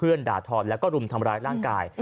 โดนดาธรรมและก็ลุมทำร้ายร่างกาย